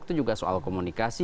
itu juga soal komunikasi